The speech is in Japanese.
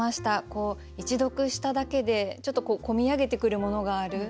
一読しただけでちょっと込み上げてくるものがある。